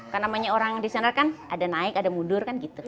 karena namanya orang desainer kan ada naik ada mundur kan gitu